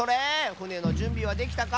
ふねのじゅんびはできたか？